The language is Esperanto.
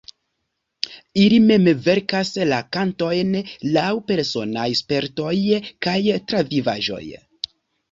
Ili mem verkas la kantojn, laŭ personaj spertoj kaj travivaĵoj.